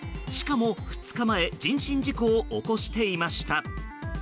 しかも、２日前人身事故を起こしていました。